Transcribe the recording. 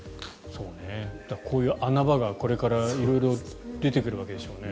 こういう穴場がこれから出てくるわけでしょうね。